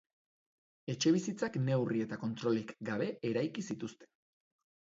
Etxebizitzak neurri eta kontrolik gabe eraiki zituzten.